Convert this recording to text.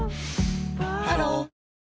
ハロー